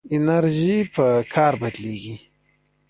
انرژي په کار بدلېږي.